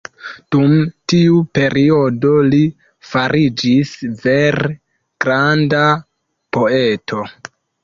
Dum tiu periodo li fariĝis vere granda poeto.